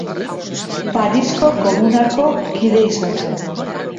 Parisko Komunako kide izan zen.